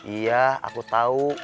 iya aku tau